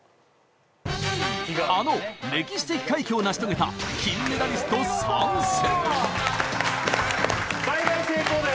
あの歴史的快挙を成し遂げた金メダリスト参戦！